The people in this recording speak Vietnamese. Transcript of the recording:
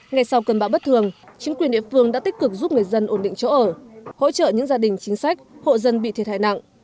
ngay sau cơn bão bất thường chính quyền địa phương đã tích cực giúp người dân ổn định chỗ ở hỗ trợ những gia đình chính sách hộ dân bị thiệt hại nặng